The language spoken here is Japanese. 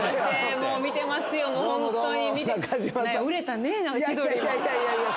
もう、見てますよ、本当に。